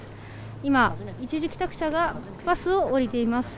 今、一時帰宅者がバスを降りています。